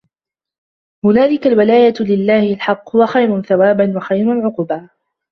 هنالك الولاية لله الحق هو خير ثوابا وخير عقبا